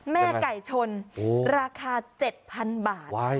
แม่ไก่ชนราคา๗๐๐๐บาท